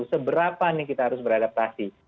seberapa nih kita harus beradaptasi